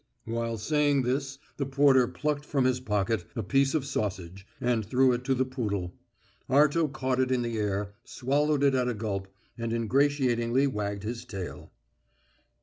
Whilst saying this the porter plucked from his pocket a piece of sausage, and threw it to the poodle. Arto caught it in the air, swallowed it at a gulp, and ingratiatingly wagged his tail.